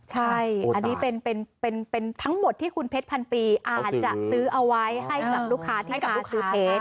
ใช่อันนี้เป็นทั้งหมดที่คุณเพชรพันปีอาจจะซื้อเอาไว้ให้กับลูกค้าที่กับลูกซื้อเพชร